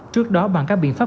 trước đó bằng các biện pháp